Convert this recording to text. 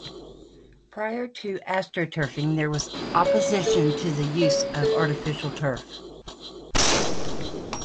Prior to the AstroTurfing, there was opposition to the use of artificial turf.